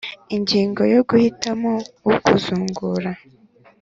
Ingingo y Guhitamo ukuzungura